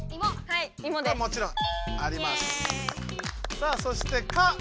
さあそして「か」